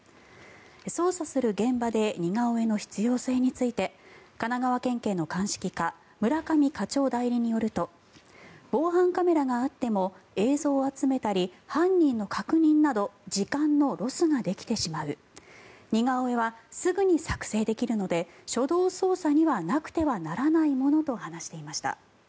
捜査する現場で似顔絵の必要性について神奈川県警の鑑識課村上課長代理によると防犯カメラがあっても映像を集めたり犯人の確認など時間のロスができてしまう似顔絵はすぐに作成できるので初動捜査にはなくてはならないものと話しています。